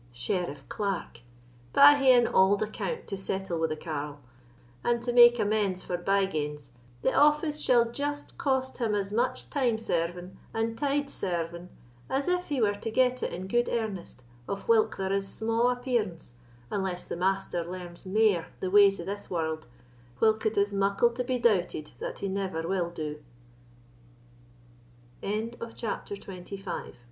Sheriff clerk!!! But I hae an auld account to settle wi' the carle; and to make amends for bye ganes, the office shall just cost him as much time serving and tide serving as if he were to get it in gude earnest, of whilk there is sma' appearance, unless the Master learns mair the ways of this warld, whilk it is muckle to be doubted that he never will do." CHAPTER XXVI. W